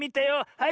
はい！